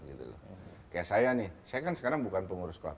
kayak saya nih saya kan sekarang bukan pengurus klub